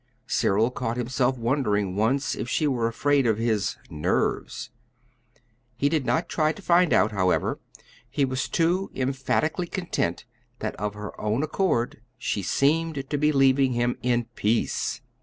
Cyril caught himself wondering once if she were afraid of his "nerves." He did not try to find out, however; he was too emphatically content that of her own accord she seemed to be leaving him in peace.